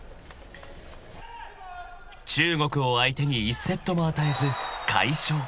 ［中国を相手に１セットも与えず快勝］